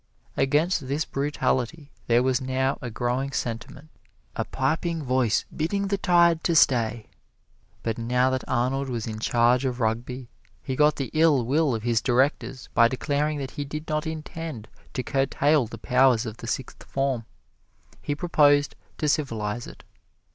Against this brutality there was now a growing sentiment a piping voice bidding the tide to stay! But now that Arnold was in charge of Rugby, he got the ill will of his directors by declaring that he did not intend to curtail the powers of the Sixth Form he proposed to civilize it.